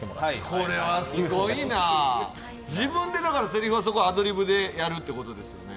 これはすごいなだから自分でセリフはアドリブでやるってことですよね。